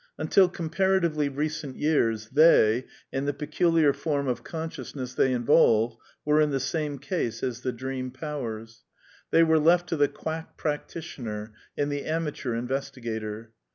Un til comparatively recent years they, and the peculiar form of consciousness they involve, were in the same case as the dream powers ; they were left to the quack practitioner and the amateur investigator.